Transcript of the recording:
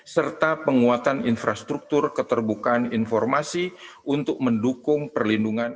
serta penguatan infrastruktur keterbukaan informasi untuk mendukung perlindungan